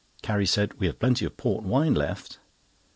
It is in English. Carrie said: "We have plenty of port wine left."